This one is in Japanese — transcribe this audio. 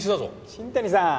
新谷さん！